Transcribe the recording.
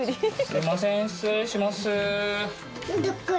すいません失礼します。